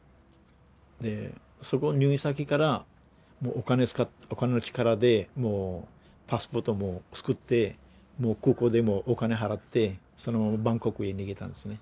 でそこの入院先からお金の力でパスポートも作ってもう空港でもお金払ってその後バンコクへ逃げたんですね。